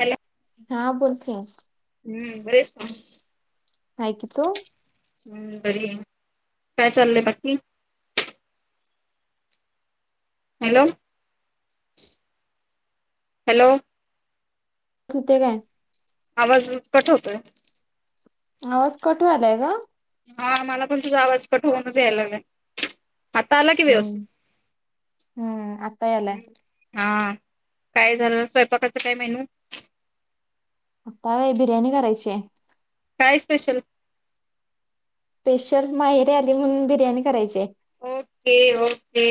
Hello हा बोलते हास हम्म बरीयेस ना? हाय की तू? हम्म बरीये, काय चाललंय बाकी? हॅलो हॅलो [unintelligible] आवाज, कट होतोय आवाज कट व्हायलाय ग हा मला पण तुझा आवाज कट होवूनच यायला लागलाय. आता आला कि व्यवस्थित? हम्म आता यालाय. हा काय झाल, स्वयंपाकाच काय मेनू? आता वय बिर्याणी करायचीय काय स्पेशल? स्पेशल माहेरीे आली म्हणून बिर्याणी करायचीये ओके-ओके,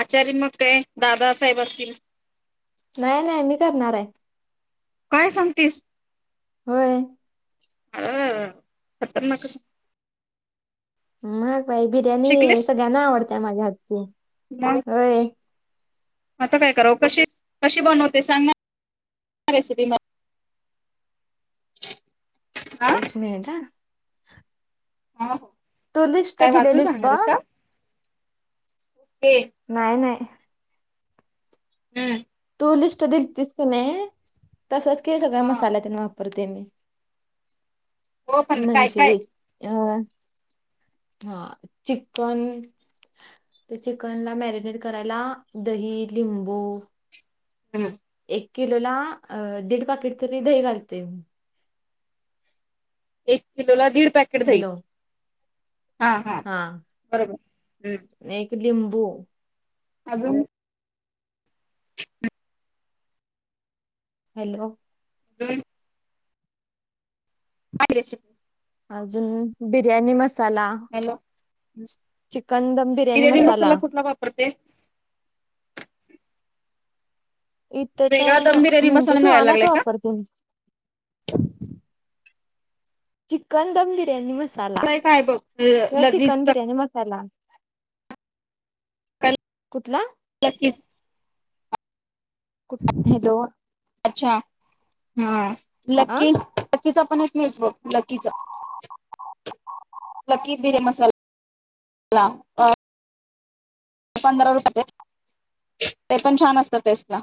आचारी मग काय दादा साहेब असतील? नाय-नाय मी करणार आय. काय सांगतीस? होय. आर र र खतरनाकच मग बाई बिर्याणीये, शिकलीस सगळ्यांना आवडते माझ्या हातची. मग? अय आता काय कराव? कशी, कशी बनवते सांगा [unintelligible] रेसिपी मला मला हा एक मिनिट हा ह हो तू लिस्ट काय वाचून दिलेलीस बघ सांगणारयस का?, ओके. नाय नाय हम्म तू लिस्ट दिलतीस कनय? तसच के सगळ्या हा मसाल्यात वापर करते मी हो पण काय म्हणजे, काय [unintelligible] हा, चिकन त चिकन ला मॅरिनेट करायला दही, लिंबू हम् एक किलोला अ दीड पाकीट तरी दही घालतेय मी एक किलो ला दीड पॅके हॅलो. हा -हा बरोबर, हम्म एक लिंबू अजून? [inaudible] हॅलो? हम्म रेसिप अजून, बिर्याणी मस चला, हॅलो चिकन दम बिर्याणी मसाला प्रते इथे वेगळा तर दम बिर्याणी म्हणजे, मसाला मिळायला सुहानाच लागलाय का वापरते मी. चिकन दम बिर्याणी मसाला काय काय बघ किंवा चिकन लजीज बिर्याणी मसाला. कुठला? एकटीच हॅलो. अच्छा हा अ लकी लकीचा पण एक मिळतो बघ लकीचा. लकी बिर्याणी मसाला. अ, पंधरा रुपये ते पण छान असत टेस्ट ला.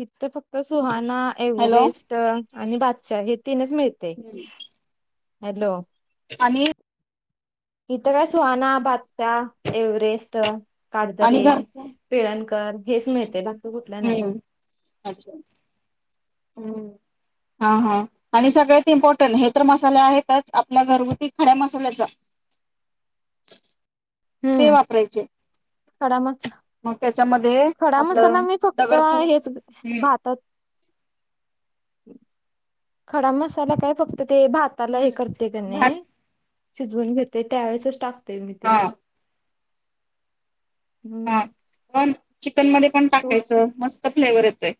हित फक्त सुहाना, हॅलो एव्हरेस्ट आणि बादशहा हे तीनच मिळते. हॅलो. आणि इथं काय सुहाना, बादशहा, एव्हरेस्ट, आणि काटदरे घरचं पिळणकर हेच मिळतय, बाकी कायऽ हम्म अच्छा, हम्म. हा हा, आणि सगळ्यात इम्पॉर्टंट, हे तर मसाले आहेतच, आपल्या घरगुती खड्या मसाल्याचा. ते हम्म, वापरायचे खड्या मसाऽ मग त्याच्यामध्येऽ खडा मसाला मी फक्त हेच भातातऽ खडा मसाला काय फक्त ते भात ताला हे हम्म करते का भात नाही, शिजवून घेतय त्यावेेळेसच टाकतेय मी ते. हा हा हम्म पण चिकन मध्ये पण तू टाकायचं, मस्त फ्लेवर येतोय.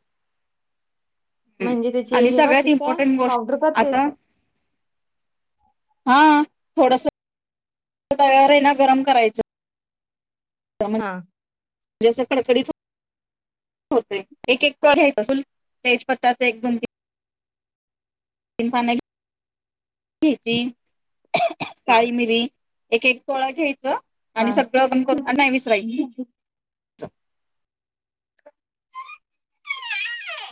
हम्म, म्हणजे त्याची आणि हे सगळ्यात करतेस काय इम्पॉर्टंट गोष्ट, पावडर करतेस? आताऽ हा, थोडस तव्यावर आहेना गरम करायचं हा म्हणजे आस कडकडीत होतयऽ होतय, एक एक कळल तेजपत्ताच एक-दोन-तीन तीन पानंऽ घ्यायची, काळी मिरी एक एक तोळा घ्यायच आणि हा सगळं करू नाही विसरायच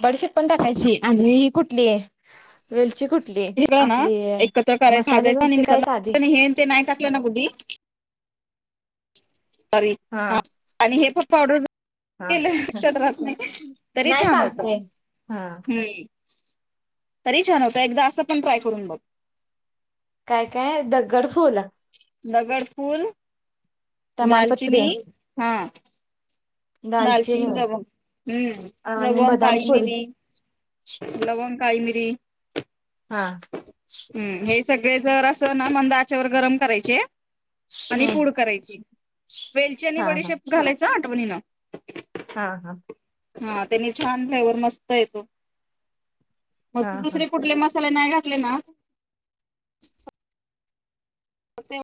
बडीशेप पण टाकायची, आणि ही कुठली आहे वेलची कुठली, सगळं ना आपली एकत्र करायचं मसाले भाजायचं आणि वेलची काय साधी मिक्सरला हे ते नाही टाकलं ना कुठी, सॉरी हा हां, आणि हे पण पावडरऽ हा. केलं लक्षात रात नाही, तरी नाही छान होत, चालते. हा हम्म. तरी छान होत एकदा असं पण ट्राय करून बघ. काय काय दग्गड फुल दगडफुल तमालपत्री, दालचिनी, हा. दालचिनी, हम्म, आणि लवंग बदाम काळी फुल. मिरी, लवंग काळिमिरी. हा. हम्म, हे सगळे असं ना मंद आचेवर गरम करायचे? आणि हम्म. पूड करायची, वेलची आणि हा हा. बडीशेप घालायचा हं आठवणीन. हा हा. हा त्यांनी छान फ्लेवर मस्त येतो. मग हा तू दुसरे हा. कुठले मसाले नाही घातले ना, ते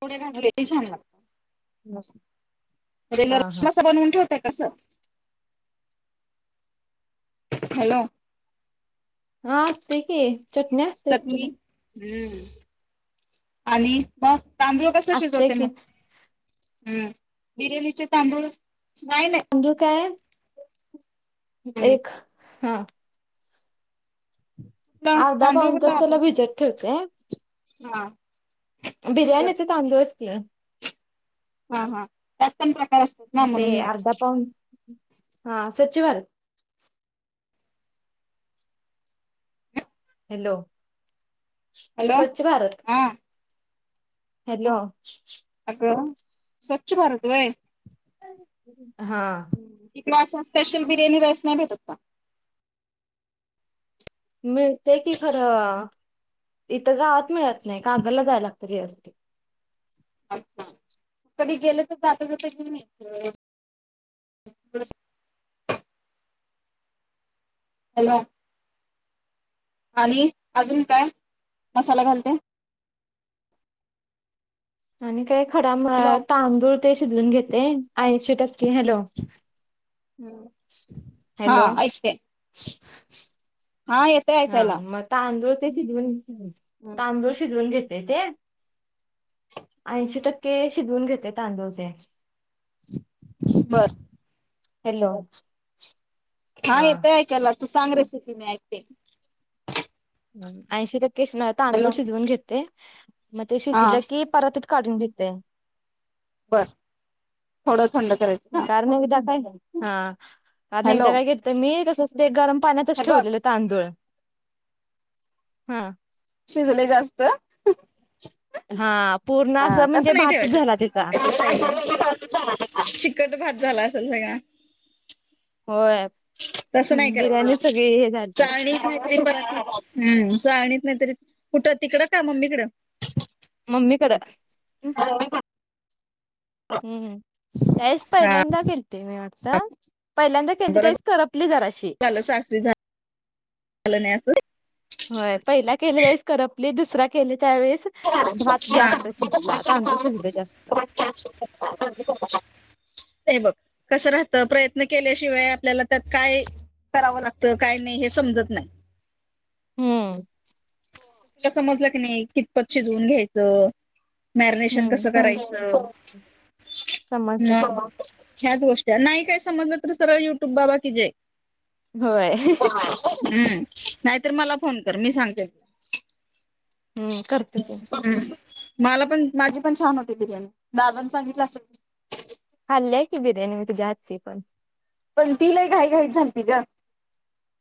पुढ घातले की छान लागतय. हा [unintelligible] हा. कस बनवून ठेवताय का कसऽ हॅलो. हा अस असती की, चटणी अ असते अस चटणी हम्म, आणि मग तांदळ कसं असते शिजवते की मग? हम्म, बिर्याणीचे तांदूळ, नाही नाही. तांदुळ काय? एक कुठला हा अर्धा तांदुळ पाऊन कुठला तास त्याला वापरता? भिजत हा. बर बिर्याणीचं तांदूळचं की. हा हा, त्यात पण प्रकार असतात ना ते म्हणून म्हटलं. अर्धा पाऊन हा स्वच्छ भारत. हॅलो. हॅलो स्वच्छ भारत हा. हॅलो. अगं स्वच्छ भारत होय? हा. इकडे असं स्पेशल बिर्याणी राईस नाही भेटत का? मिळते की खरं, इथं गावात मिळत नाही कागलला जाय लागत त्याच्यासाठी. अच्छा [inaudible] कधी गेलं तर जाता जाता घेऊन यायचं. [unintelligible] हॅलो. आणि अजून काय मसाला घालते? आणि काही खडा म हॅलो तांदूळ ते शिजवून घेते ऐंशी टक्के हॅलो. हम्म. हा हॅलो. ऐकते हा येेतंय हा ऐकायला. मग तांदूळ ते भिजवून घ्यायचे, हम्म. तांदूळ शिजवून घेते ते. ऐंशी हम्म टक्के शिजवून घेते तांदूळ ते. बरं. हॅलो. हा येते ऐकायला तू सांग रेसिपी मी ऐकते. ऐंशी टक्के स तांदूळ हॅलो शिजवून घेते. मग ते हा शिजलं की परातीत काढून घेते. बर थोडं थंड कराय कारणी उद्या काय नाही, हा. कारण हॅलो एकदा काय केलतं मी तसं ते गरम पाण्यातचं हे बघ ठेवलेलं तांदूळ. हा. शिजले जास्त? हा पूर्ण असं म्हणजे तसं नाही भातचं ठेवायचं. झाला तिचा. [unintelligible] चिकट भात झाला असंल सगळा? होय तसं नाही बिर्याणी करायचं सगळी हे झाली चाळनीत नाही ई पर्यंत, हम्म चाळणीत नाहीतरी कुठं तिकडं का मम्मीकडं? मम्मीकडं हम्म. त्या वेळीस हा पहिल्यांदा केलती मी वाटतं, पहिल्यांदा केलती बरं त्यावेळेस करपली जराशी. झालं सासरी झा झालं नाही असं. होय पहिला केले राईस करपले दुसरा केले त्यावेळेस भात हा जास्त शिजला, तांदूळ शिजले जास्त. [unintelligible] हे बघ कस राहत प्रयत्न केल्याशिवाय आपल्याला त्यात काय करावं लागतं काय नाही हे समजत नाही. हम्म. तुला समजलं की नाही कितपत शिजवून घ्यायचं. मॅरिनेशन कस करायचं हम्म समजलं म की ह्याच गोष्टी नाही काय समजलं तर सरळ युट्यूब बाबा की जय होय हम्म. नाहीतर मला फोन कर मी सांगते. हम्म. करते ते मला पण माझी पण छान होती बिर्याणी दादानी सांगितलं असेल की. खाल्लीय की बिर्याणी मी तुझ्या हातची पण. पण ति लय लय घाई घाईत झालती ग.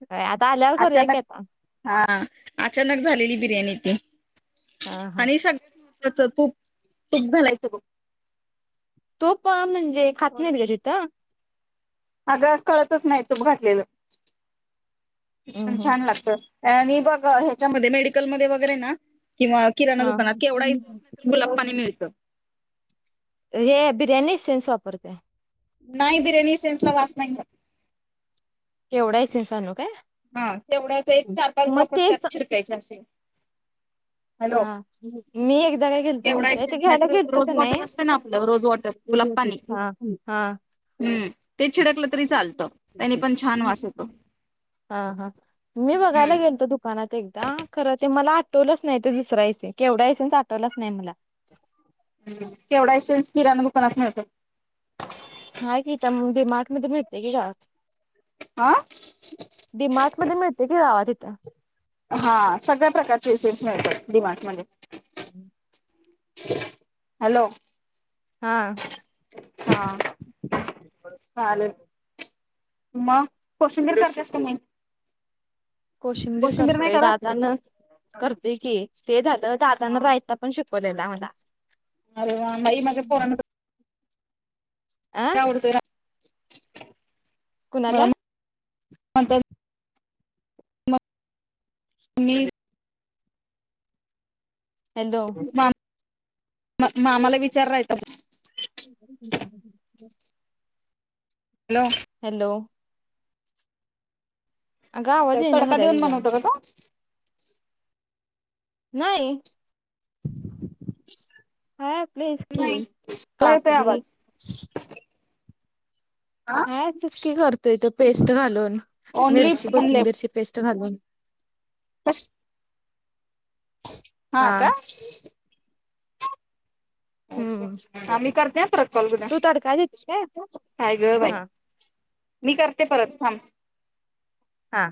काय आता आल्यावर करूया की अचानक आता. हा अचानक झालेली बिर्याणी ती हा हा आणि सग ह तूप तूप घालायचं बघ. तूप म्हणजे खात न्हाईत ग तिथं. आगं कळतच नाही तूप घातलेलं पण हम्म छान लागत. आणि बघ हेच्यामध्ये मेडिकलमध्येध्ये वगैरे ना किंवा किराणा हम्म दुकानात केवढा हा [unintelligible] गुलाब पाणी मिळतं. हे बिर्याणी इसेन्स वापरतीया. नाही बिर्याणी इसेन्सला वास नाही ला केवढा इसेन्स आणु काय. हा तेवढ्याच एक चार पाच मग ड्रॉपच त्यात तेच शिडकायचे आशे. हा मी एकदा काय केलतं केवढा माहिती हाय ते एसेन्स नाही घ्यायला तर गेल्तो रोज कनाई. वॉटर असतं ना आपलं रोज वॉटर गुलाब [unintelligible] पाणी हा [unintelligible] हम हा. हम्म चिडकलं तरी चालतं त्यानी पण छान वास येतो. हा हा मी बघायला हम्म गेल्तो दुकानात एकदा खरं ते मला आठवलंच नाई तो दुसरा इसे केवढा इसेन्स आठवलंच नाही मला. हम केवढा इसेन्स किराणा दुकानात मिळतो. हाय की इथ म डी मार्ट मधे मिळतोय की. [unintelligible] आ. डी मार्ट मध्ये मिळतोय की गावा तिथं. हा सगळ्या प्रकारचे इसेन्स मिळत्यात डी मार्ट मध्ये. हम्म. हॅलो. हा. हा. चालेल म कोशिंबीर करतीयास का नाई? कोशिंबीर नाही करतोय करत दादाना करतोय की ते झालं दादानं रायता पण शिकवलेला मला [unintelligible] माझ्या पोरांकड अं [unintelligible] मला कुणाला? म्हणतात मी हॅलो. मम मामाला विचार रायता [unintelligible] [unintelligible] हॅलो. हॅलो. अगं हा आवाज ताई, येईना तडका झालाय देऊन तुझा बनवतो का तो? नाई. नाही मला येतोय [unintelligible] आवाज काय चुकी करतोय तो पेस्ट घालून, ओनली मिरची लेफ्ट कोथिंबीरची पेस्ट घालून. [unintelligible] हा. हम्म हा मी करते हा परत कॉल तुला, तू तडका देतेस काय काय ग बाई. हा मी करते परत थांब. हा.